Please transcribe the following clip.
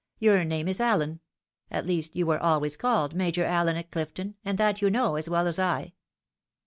Your name is Allen. At least, you were always called Major AHen at Clifton, and that you know, as well as I."